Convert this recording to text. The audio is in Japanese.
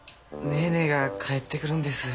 姉え姉えが帰ってくるんです。